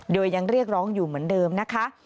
โดยยังเรียกร้องอยู่เหมือนเดิมนะคะ